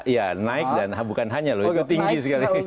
ya naik dan bukan hanya loh itu tinggi sekali